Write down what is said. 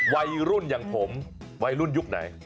วัยรุ่นอย่างผมวัยรุ่นยุคไหน